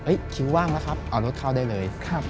คิวว่างแล้วครับเอารถเข้าได้เลย